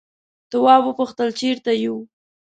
تواب وپوښتل چیرته یو.